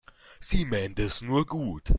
Sie meint es nur gut.